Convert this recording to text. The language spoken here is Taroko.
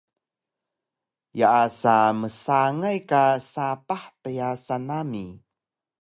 Yaasa msangay ka sapah pyasan nami